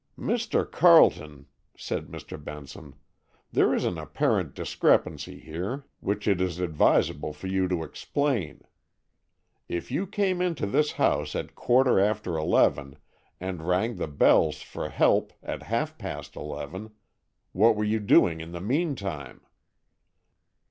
"Mr. Carleton," said Mr. Benson, "there is an apparent discrepancy here, which it is advisable for you to explain. If you came into this house at quarter after eleven, and rang the bells for help at half past eleven, what were you doing in the meantime?"